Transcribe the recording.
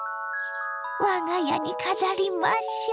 我が家に飾りましょ。